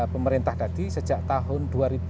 pemerintah tadi sejak tahun